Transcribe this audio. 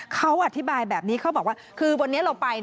เขาอธิบายแบบนี้เขาบอกว่าคือวันนี้เราไป